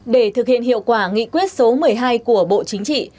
để thực hiện hiệu quả nghị quyết số một mươi hai của bộ chính trị